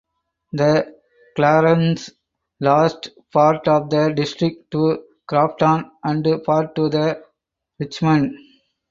The Clarence lost part of the district to Grafton and part to The Richmond.